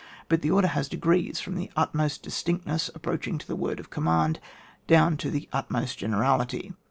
But the order haa degrees, frx>m the utmost distinctness^ approaching to the word of command, down to the utmost generality.